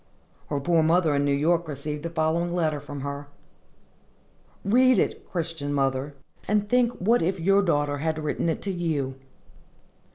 Her poor mother in New York received the following letter from her. Read it, Christian mother, and think what if your daughter had written it to you!